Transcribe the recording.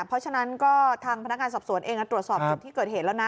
เพราะฉะนั้นก็ทางพนักงานสอบสวนเองตรวจสอบจุดที่เกิดเหตุแล้วนะ